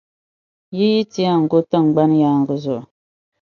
Yi yi ti yɛn go tiŋgbani yaaŋa zuɣu.